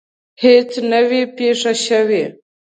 هیڅ نه وي پېښه شوې.